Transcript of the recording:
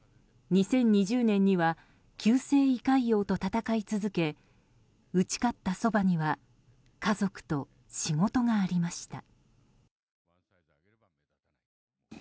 ２０２０年には急性胃潰瘍と闘い続け打ち勝ったそばには家族と仕事がありました。